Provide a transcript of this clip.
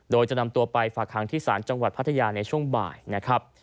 โดยจะนำตัวไปฝากหางที่ศาลจังหวัดพัทยาในช่วงบ่ายนะครับ